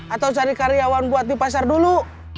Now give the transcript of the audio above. atau cari karyawan buat di pasar dulu